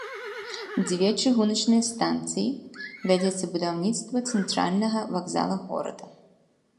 Дзве чыгуначныя станцыі, вядзецца будаўніцтва цэнтральнага вакзала горада.